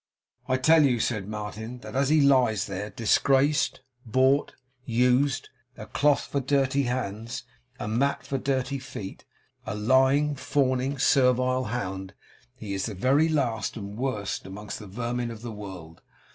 'I tell you,' said Martin, 'that as he lies there, disgraced, bought, used; a cloth for dirty hands, a mat for dirty feet, a lying, fawning, servile hound, he is the very last and worst among the vermin of the world.